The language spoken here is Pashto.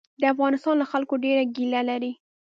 د افغانستان له خلکو ډېره ګیله لري.